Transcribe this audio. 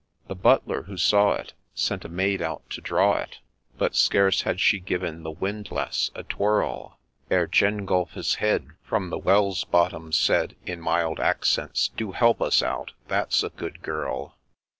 The Butler, who saw it, sent a maid out to draw it, But scarce had she given the windlass a twirl, Ere Gengulphus's head, from the well's bottom, said In mild accents, ' Do help us out, that 's a good girl